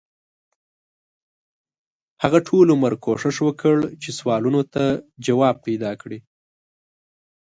هغه ټول عمر کوښښ وکړ چې سوالونو ته ځواب پیدا کړي.